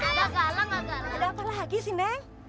ada apa lagi sih neng